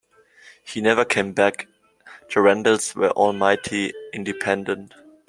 He never came back — the Randalls were all mighty independent.